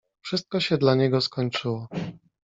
Wszystko się dla niego skończyło!